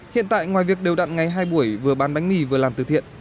hiện tại ngoài việc đều đặn ngày hai buổi vừa bán bánh mì vừa làm từ thiện